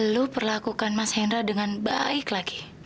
lu perlakukan mas hendra dengan baik lagi